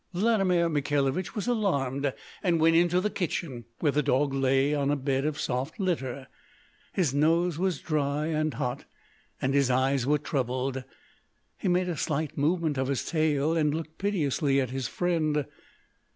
Vladimir Mikhailovich was alarmed, and went into the kitchen, where the dog lay on a bed of soft litter. His nose was dry and hot, and his eyes were troubled. He made a slight movement of his tail, and looked piteously at his friend.